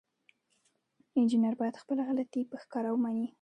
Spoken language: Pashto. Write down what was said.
انجینر باید خپله غلطي په ښکاره ومني.